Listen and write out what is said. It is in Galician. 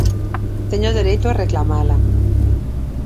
Teño o dereito a reclamala.